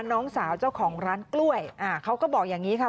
น้องสาวเจ้าของร้านกล้วยอ่าเขาก็บอกอย่างนี้ค่ะ